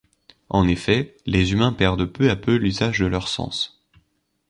En effet, les humains perdent peu à peu l'usage de leurs sens.